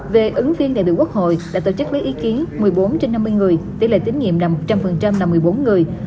về ứng viên đại biểu quốc hội đã tổ chức lấy ý kiến một mươi bốn trên năm mươi người tỷ lệ tín nhiệm là một trăm linh là một mươi bốn người